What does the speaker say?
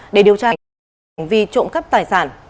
để điều tra hành vi trộm cắp tài sản